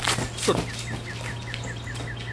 สุด